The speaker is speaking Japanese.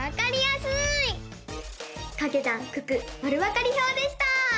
「かけ算九九まるわかり表」でした！